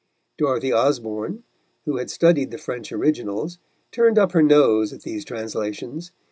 Dorothy Osborne, who had studied the French originals, turned up her nose at these translations.